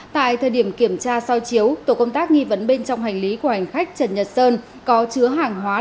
tại thời điểm kiểm tra soi chiếu tổ công tác nghi vấn bên trong hành lý của hành khách trần nhật sơn có chứa hàng hóa